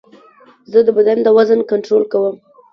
زه د بدن د وزن کنټرول کوم.